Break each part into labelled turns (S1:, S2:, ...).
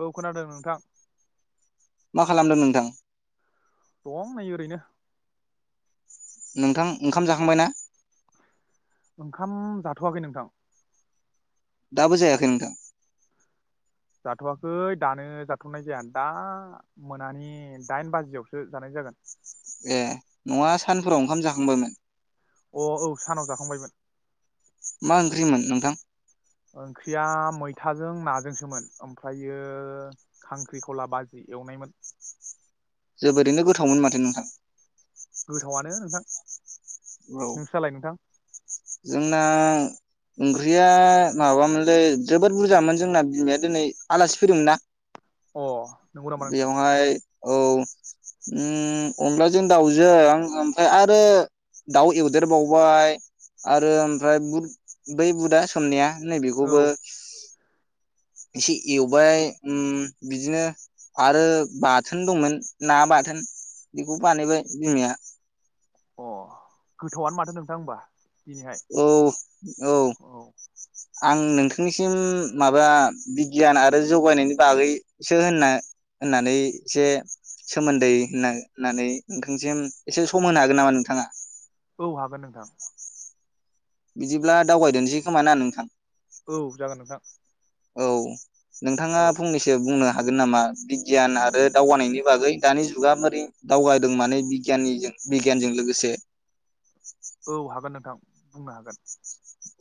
S1: औ खोनादों नोंथां
S2: मा खालामदों नोंथां
S1: दं नै ओरैनो
S2: नोंथां ओंखाम जाखांबाय ना
S1: ओंखाम जाथ'वाखै नोंथां
S2: दाबो जायाखै नोंथां
S1: जाथ'वाखै दानो जाथनाय जाया दा मोनानि दाइन बाजियावसो जानाय जागोन
S2: ए नङा सान फोराव ओंखाम जाखांबायमोन।
S1: अ औ सानाव जाखांबायमोन
S2: मा ओंख्रिमोन नोंथां?
S1: ओंख्रिया मैथाजों नाजोंसोमोन ओमफ्रायो खांख्रिखला बाजि एवनायमोन।
S2: जोबोरैनो गोथावमोन माथो नोंथां
S1: गोथावानो नोंथां
S2: औ
S1: नोंस्रालाय नोंथां।
S2: जोंना ओंख्रिया माबामोनलै जोबोद बुरजामोन जोंना बिमाया दिनै आलासि फैदोंमोनना।
S1: अ नोंगौ नामा नोंथां।
S2: औ उम अनलाजों दाउजों ओमफ्राय आरो दाउ एवदेरबावबाय। आरो ओमफ्राय बुद बै बुदा सोमनाया। नै
S1: औ
S2: बेखौबो। एसे एवबाय
S1: गो-
S2: उम बिदिनो आरो बाथोन दंमोन ना बाथोन बेखौ बानायबाय बिमाया।
S1: अ गोथावआनो माथो नोंथां होमबा। दिनैहाय औ
S2: औ-औ। आं नोंथांनिसिम माबा बिगियान आरो जौगायनायनि बागैसो होननो होननानै एसे सोमोन्दै होनना होननानै नोंथांनिसिम एसे सम होनो हागोन नामा नोंथाङा?
S1: औ हागोन नोंथां।
S2: बिदिब्ला दावबायदेरसै खोमा ना नोंथां।
S1: औ जागोन नोंथां।
S2: औ। नोंथाङा
S1: औ
S2: फंनैसो बुंनो हागोन नामा बिगियान आरो दावगानायनि बागै दानि जुगा बोरै दावगादों माने बिगियाननिजों बिगियानजों लोगोसे।
S1: औ हागोन नोंथां। बुंनो हागोन।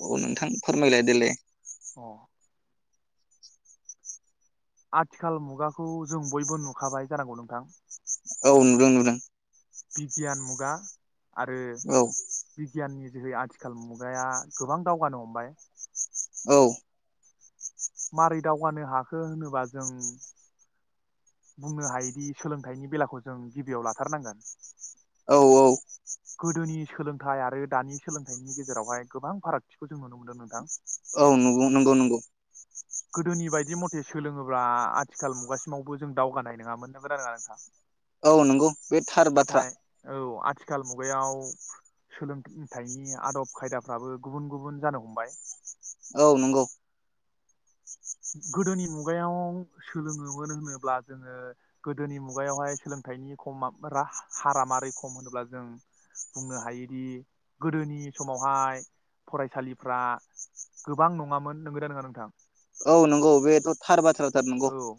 S2: अ नोंथां फोरमायलाय देलै।
S1: अ। आथिखाल मुगाखौ जों बयबो नुखाबाय जानांगौ नोंथां।
S2: औ नुदों-नुदों।
S1: बिगियान मुगा। आरो
S2: औ
S1: बिगियाननि। जिहै आथिखाल मुगाया गोबां दावगानो हमबाय।
S2: औ।
S1: मारै दावगानो हाखो होनोबा जों। बुंनो हायोदि सोलोंथाइनि बेलाखौ जों गिबियाव लाथारनांगोन।
S2: औ औ
S1: गोदोनि सोलों। थाइ आरो दानि सोलोंथाइनि गेजेरावहाय गोबां फारागथिफोर
S2: औ नंगौ- नंगौ -नंगौ।
S1: गोदोनि बायदि मथे सोलोङोब्ला आथिखाल मुगासिमाव बोजों दावगानाय नङामोन नंगौना नङा नोंथां?
S2: औ नंगौ बे थार बाथ्रा।
S1: नाथाय औ आथिखाल मुगायाव सोलोंथाइनि आदब खायदाफ्राबो गुबुन -गुबुन जानो हमबाय।
S2: औ नंगौ।
S1: गोदोनि मुगायाव सोलोङोमोन होनोब्ला जोङो गोदोनि मुगायावहाय सोलोंथाइनि खम रा हारा मारै खम होनोब्ला जों बुंनो हायोदि गोदोनि समावहाय फरायसालिफ्रा गोबां नङामोन नंगोना नङा नोंथां?
S2: औ नंगौ बेथ' थार बा थार बाथ्रा नंगौ।
S1: औ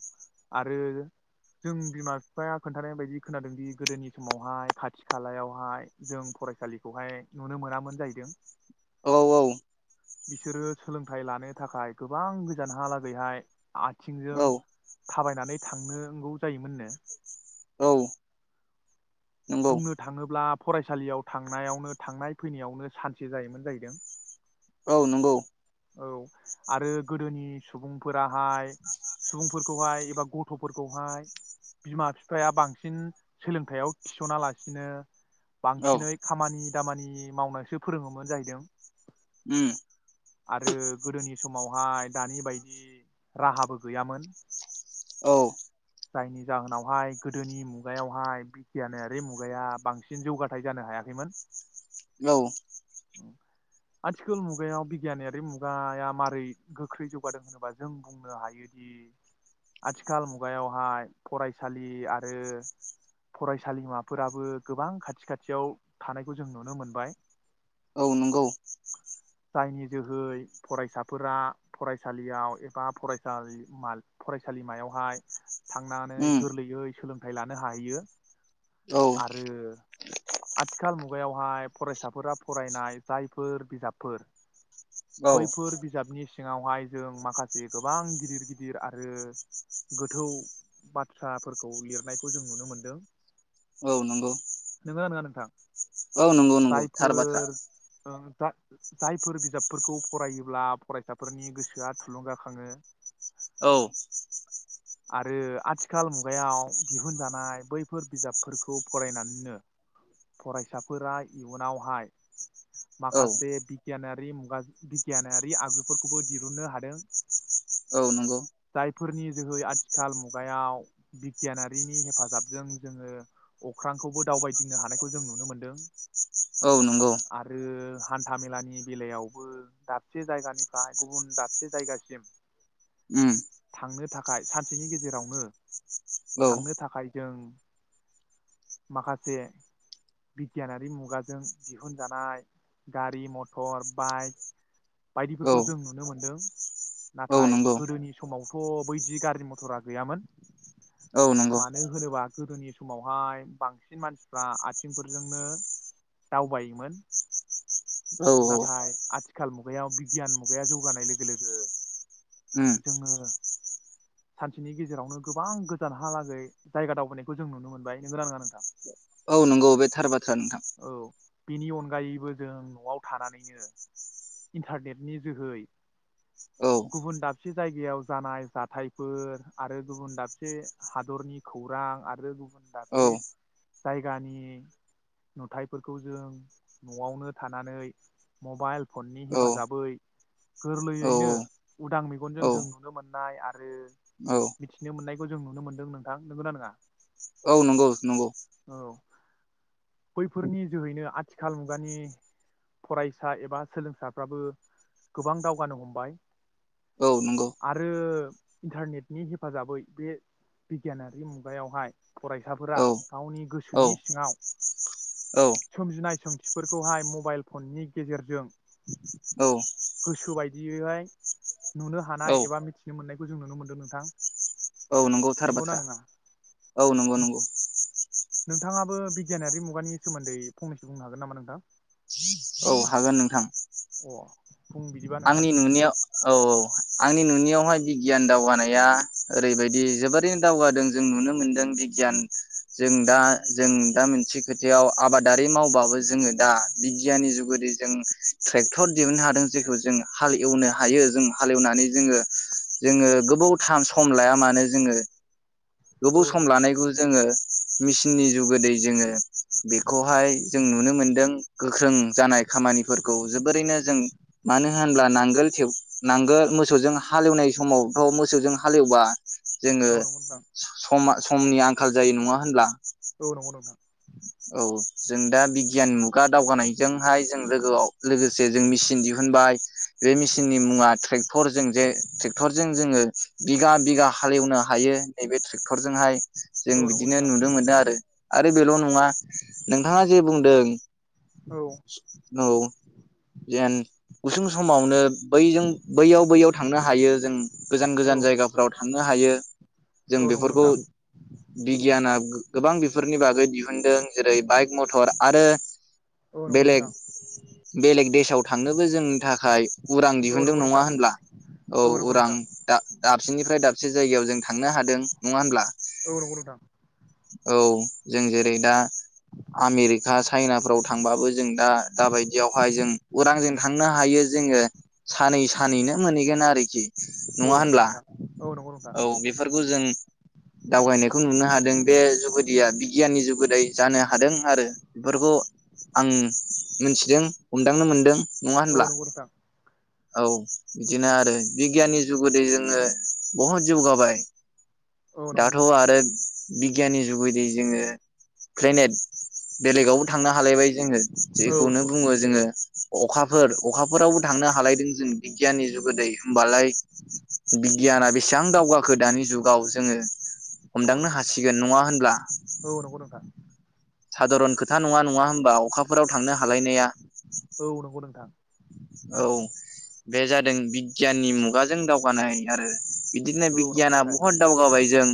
S1: आरो जों बिमा बिफाया खोन्थानाय बायदि खोनादोंदि गोदोनि समावहाय खाथि खालायावहाय जों फरायसालिखौहाय नुनो मोनामोन जाहैदों।
S2: औ औ।
S1: बिसोरो सोलोंथाइ लानो थाखाय गोबां गोजानहालागैहाय आ यथिंजों
S2: औ
S1: थाबायनानै थांनांगौ जायोमोननो।
S2: औ नंगौ
S1: बुंनो थाङोब्ला फरायसालियाव थांनायावनो थांनाय फैनायावनो सानसे जायोमोन जाहैदों।
S2: औ नंगौ।
S1: औ आरो गोदोनि सुबुंफोराहाय सुबुंफोरखौहाय एबा गथ'फोरखौहाय बिमा बिफाया बांसिन सोलोंथायाव थिसना लासिनो
S2: औ
S1: बांसिनै खामानि खामानि मावनोसो फोरोङोमोन जायैदों।
S2: उम
S1: आरो गोदोनि समावहाय दानि बायदि राहाबो गैयामोन
S2: औ
S1: जायनि जाहोनावहाय गोदोनि मुगायावहाय बिगियानारि मुगाया बांसिन जौगाथाइ जानो हायाखैमोन।
S2: औ।
S1: आथिखाल मुगायाव बिग बिगियानारि मुगाया मारै गोख्रै जौगादों होनोबा जों बुंनो हायोदि आथिखाल मुगायावहाय फरायसालि आरो फरायसालिमाफोराबो गोबां खाथि खाथियाव थानायखौ जों नुनो मोनबाय
S2: औ नंगौ
S1: जायनि जोहै फरायसाफोरा फरायसालियाव एबा फरायसालि माल फरायसालिमायावहाय थांनानै
S2: उम
S1: गोरलैयै सोलोंथाइ लानो हाहैयो।
S2: औ
S1: आरो आथिखाल मुगायावहाय फरायसाफोरा फरायनाय जायफोर बिजाबफोर
S2: औ
S1: बैफोर बिजाबनि सिङावहाय जों माखासे गोबां गिदिर गिदिर आरो गोथौ बाथ्राफोरखौ लिरनायखौ जों नुनो मोनदों।
S2: औ नंगौ
S1: नोङो नोङा नोंथां?
S2: नंगौ औ थार बाथ्रा।
S1: ओं जा जायफोर बिजाबफोरखौ फरायोब्ला फरायसाफोरनि गोसोआ थुलुंगाखाङो।
S2: औ।
S1: आरो आथिखाल मुगायाव दिहुनजानाय बैफोर बिजाब फोरखौ फरायनानैनो फरायसाफोरा इयुनावहाय
S2: औ
S1: माखासे बिगियानारि मुगा बिगियानारि आगजुफोरखौबो दिरुननो हादों।
S2: औ नंगौ।
S1: जायफोरनि जोहै आथिखाल मुगायाव बिगियानारिनि हेफाजाबजों जोङो अख्रांखौबो दावबायदिंनो हानायखौ जों नुनो मोनदों
S2: औ नंगौ।
S1: आरो हान्था मेलानि बेलायावबो दाबसे जायगानिफाय गुबुन दाबसे जायगासिम
S2: उम
S1: थांनो थाखाय सानसेनि गेजेरावनो
S2: औ
S1: थांनो थाखाय जों माखासे बिगियानारि मुगाजों दिहुनजानाय गारि मथर बाइक
S2: औ
S1: बायदिफोरखौ जों नुनो मोनदों
S2: औ
S1: नाथाय
S2: नंगौ
S1: गोदोनि समावथ बैदि गारि मथरा गैयामोन
S2: औ नंगौ
S1: मानो होनोबा गोदोनि समावहाय बांसिन मानसिफ्रा आथिंफोरजोंनो दावबायोमोन।
S2: औ
S1: नाथाय आथिं थिखाल मुगायाव बिगियान मुगायाव जौगानाय लोगो लोगो
S2: उम
S1: जोङो सानसेनि गेजेरावनो गोबां गोजानहालागै जायगा दावबायनायखौ जों नुनो मोनबाय नोंगोना नोङा नोंथां।
S2: नंगौ बे थार बाथ्रा नोंथां।
S1: औ बेनि अनगायैबो जों नआव थानानैनो इन्टारनेटनि जोहै
S2: औ।
S1: से जायगायाव जानाय जाथायफोर आरो गुबुन दाबसे हादरनि खौरां आ रो दाबसे
S2: औ
S1: जायगानि नुथायफोरखौ जों नआवनो थानानै मबाइल फननि
S2: औ
S1: हेफाजाबै
S2: औ
S1: गोरलैयैनो उदां मेगनजों
S2: औ
S1: जों नुनो मोननाय आरो
S2: औ
S1: मिथिनो मोननायबो जों नुनो मोन्दों नोंथां नोंगोना नोङा?
S2: औ नंगौ नंगौ।
S1: बैफोरनि जोहैनो आथिखाल मुगानि फरायसा एबा सोलोंसाफ्राबो गोबां दावगानो हमबाय
S2: औ नंगौ
S1: आरो इन्टारनेटनि हेफाजाबै बे बिगियानारि मुगायावहाय फरायसाफोरा
S2: औ
S1: गावनि
S2: औ
S1: गोसोनि सिङाव
S2: औ
S1: सोमजिनाय सोंथि फोरखौहाय मबाइल फननि गेजेरजों
S2: औ
S1: बियोहाय नुनो हानाय एबा मिथिनो मोननाय जों नुनो मोन्दों नोंथां।
S2: औ नंगौथार
S1: नंगौना
S2: बाथ्रा।
S1: नङा
S2: औ नंगौ नंगौ।
S1: नोंथाङाबो बिगियानारि मुगानि सोमोन्दै फंनैसो बुंनो हागोन नामा नोंथां।
S2: औ हागोन नोंथां।
S1: अ बुं बिदिबा नोंथां
S2: आंनि नुनियाव औ औ आंनि नुनायावहाय बिगियान दावगानाया ओरैबायदि जोबोरैनो दावगादों जों नुनो मोनदों बिगियान जों दा जों दा मोनसे खोथायाव आबादारि मावबाबो जोङो दा बिगियाननि जुगोदिजों ट्रेक्टर दिहुननो हादों जेखौ जों जों हाल एवनो हायो जों हालेवनानै जोङो जोङो गोबौथाम सम लाया मानो जोङो
S1: औ
S2: गोबाव सम
S1: नंगौ नोंथां
S2: लानायखौ जोङो मेसिननि जुगोदै जोङो बेखौहाय जों नुनो मोनदों गोख्रों जानाय खामानिफोरखौ जोबोरैनो जों मानो होनोब्ला नांगोलेब नांगोल मोसौजों हालेवनाय समावथ' मोसौजों हालेवबा जोङो
S1: औ नंगौ नोंथां
S2: स-समाज समनि आंखाल जायो नङा होनब्ला।
S1: औ नंगौ नोंथां।
S2: औ जों दा बिगियान मुगा दावगानायजोंहाय जों लोगोआव लोगोसे जों मेचिन दिहुनबाय बे मेसिननि मुङा ट्रेक्टरजों जे ट्रेक्टरजों जोङो बिगा बिगा हालेवनो हायो नैबे ट्रेक्टरजोंहाय जों
S1: औ नंगौ
S2: बिदिनो
S1: नोंथां
S2: नुनो मोनदों आरो आरो बेल' नं नोंथाङा जे बुंदों
S1: औ
S2: औ जेन गुसुं समावनो बैजों बैयाव बैयाव थांनो हायो जों गोजान
S1: औ
S2: गोजान जायगाफोराव थां थांनो हायो। जों
S1: औ नंगौ
S2: बेफोरखौ
S1: नोंथां।
S2: बिगियाना गोबां बेफोरनि बागै दि मोनदों जेरै बाइक मथर आरो
S1: औ नंगौ नोंथां
S2: बेलेग बेलेग देशआव थांनोबो जोंनि थाखाय उरां
S1: औ
S2: दिहुनदों
S1: नंगौ
S2: नङा
S1: नोंथां
S2: होनब्ला औ
S1: नंगौ
S2: उरां
S1: नोंथां
S2: दा दाब दाबसेनिफ्राय दाबसे जायगायाव जों थांनो हादों नङा होमब्ला?
S1: औ नंगौ नोंथां।
S2: औ जों जेर ओरै दा आमेरिका चाइनाफ्राव थांबाबो जों दा दाबायदियावहाय जों उरांजों थांनो हायो जोङो सानै सानैनो मोनहैगोन आरोखि।
S1: औ
S2: नङा
S1: नंगौ
S2: होनब्ला
S1: नोंथां औ नंगौ न
S2: औ बेफोरखौ जों दावगायनायखौ नुनो हादों बे जुगोदिया बिगियाननि जुगोदैय जानो हादों आरो बेफोरखौ आं मोनथिदों हमदांनो मोनदों। नङा
S1: औ
S2: होनब्ला
S1: नंगौ नोंथां।
S2: औ बिदिनो आरो बिगियाननि जुगुदै जोङो बहुद जौगाबाय।
S1: औ नंगौ
S2: दाथ'
S1: नोंथां
S2: आरो बिगियाननि जुगैदै जोङो प्लेनेट बेलेगावबो थांनो हालायबाय जोङो।
S1: औ
S2: जेखौनो
S1: नंगौ
S2: बुङो
S1: नोंथां
S2: जोङो अखाफोर अखाफोरावबो थांनो हालायदों जों बिगियाननि जुगोदै होमबालाय बिग गियाना बेसां दावगाखो दानि जुगाव जोङो
S1: औ
S2: हमदांनो हासिगोन नङा होनब्ला?
S1: नंगौ नोंथां औ नंगौ नोंथां
S2: सादारन खोथा नङा नङा होम बा अखाफोराव थांनो हालायनाया
S1: औ नंगौ नोंथां
S2: औ बे जादों बिगियाननि मुगाजों दावगानाय आरो बिदिनो
S1: औ नंगौ
S2: बिगियाना
S1: नोंथां औ नंगौ
S2: बहुत दावगाबाय जों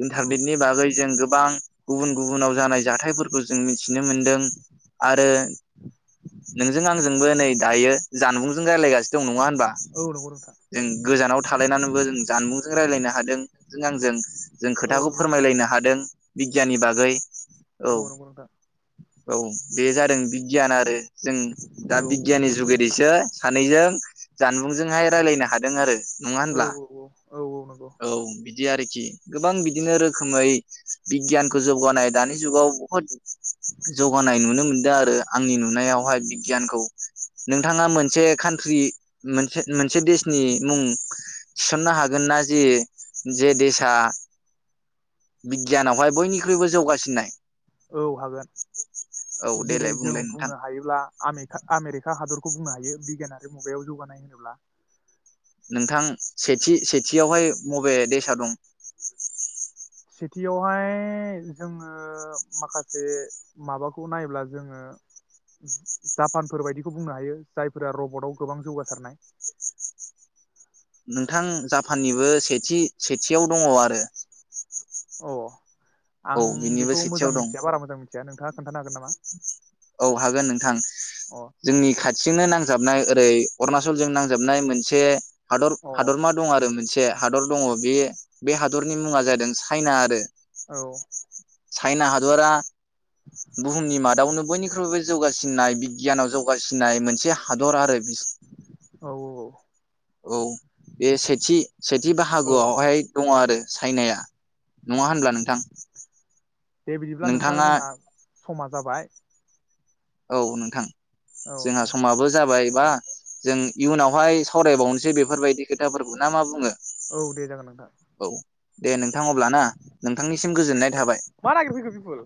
S1: नोंथां औ
S2: इन्टारनेटनि बागै जों गोबां गुबुन गुबुनाव जानाय जाथायफोरखौ जों मिनथिनो मोनदों आरो नोंजों आंजोंबो नै दायो जानबुंजों रायलायगासि दं नङा होनब बा
S1: नंगौ नोंथां औ
S2: जों गोजानाव थालायनानैबो जों जानबुंजों रायलायना हादों जों आंजों जों खोथाखौ फोरमायलायनो हादों। बिगियाननि बागै औ
S1: नंगौ नोंथां
S2: औ बे जादों बिगियान आरो जों दा
S1: औ
S2: बिग जुगैदैसो सानैजों जानबुं जोंहाय रायलायनो हादों आरो नङा
S1: औ
S2: होनब्ला
S1: औ औ नंगौ
S2: औ बिग बिदि आरोखि गोबां बिदिनो रोखोमै बिगियानखौ जौगानाय दानि जुगाव बहुद जौगानाय नुनो मोनदों आरो आंनि नुनायावहाय बिगियानखौ नोंथाङा मोनसे कान्ट्रि मोनसे मोनसे देसनि मुं थिसननो हागोन ना जे जे देसआ बिगियानावहाय बयनिख्रुइबो जौगासिननाय।
S1: औ हागोन
S2: औ
S1: जेरै
S2: देलाय
S1: जों
S2: बुंलाय नोंथां
S1: बुंनो हायोब्ला आमेका आमेरिक का हादरखौ बुंनो हायो बिगियान [unintelligible] जौगानाय होनोब्ला
S2: नोंथां सेथि सेथियावहाय मबे देसा दं?
S1: सेथियावहाय जोङो माखासे माबाखौ नायोब्ला जोङो जापानफोर बायदिखौ बुंनो हायो जायफोरा रबटआव गोबां जौगासारनाय।
S2: नोंथां जापाननिबो सेथि सेथियाव दङ आरो
S1: अ
S2: औ
S1: आं
S2: बिनिबो
S1: बेखौ
S2: सेथियाव
S1: मोजां
S2: दं
S1: मिथिया बारा मोजां मिथि या नोंथांआ
S2: औ हागोन नोंथां
S1: अ औ
S2: जोंनि खाथिजोंनो नांजाबनाय नांजाबनाय ओरै अरुणनाचलजों नांजाबनाय मोनसे हादर
S1: औ
S2: हादरमा दं आरो मोनसे हादर दङ बे बे हादरनि मुङा जादों चाइना आरो।
S1: औ
S2: साइना हादरा बुहुमनि मादावनो बयनिख्रुइबो जौगासिननाय बिगियानाव जौगासिननाय मोनसे हादर आरो बि
S1: औ
S2: औ बे सेथि सेथि
S1: औ
S2: बाहागोआवहाय दङ आरो चाइनाया नङा होनब्ला नोंथां
S1: दे बिदिब्ला नोंथां
S2: नोंथाङा
S1: जोंहा समा जाबाय
S2: औ नोंथां
S1: औ
S2: जोंहा
S1: नोंथां
S2: समाबो जाबायबा
S1: औ
S2: जों इयुनावहाय सावरायबावनोसै बेफोरबायदि खोथाफोरखौ ना मा बुङो।
S1: औ दे जागोन नोंथां
S2: औ दे नोंथां अब्लाना नोंथांनिसिम गोजोननाय थाबाय।
S1: मा नागिरफैखो बिपुल